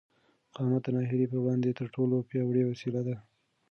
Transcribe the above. مقاومت د ناهیلۍ پر وړاندې تر ټولو پیاوړې وسله ده.